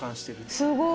すごい。